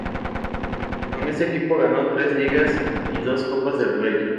Con este equipo ganó tres Ligas y dos Copas del Rey.